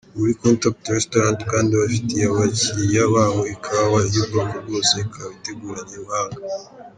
Muri Contact Restaurant kandi bafitiye abakiriya babo ikawa y’ubwoko bwose, ikaba iteguranye ubuhanga.